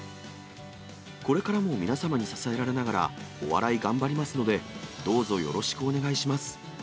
これからも皆様に支えられながら、お笑い頑張りますので、どうぞよろしくお願いします！